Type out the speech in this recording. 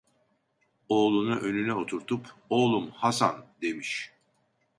Oğlunu önüne oturtup: "Oğlum, Haşan!" demiş.